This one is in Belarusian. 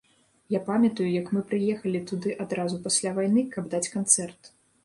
Я памятаю, як мы прыехалі туды адразу пасля вайны, каб даць канцэрт.